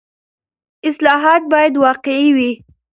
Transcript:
اصلاحات باید واقعي وي.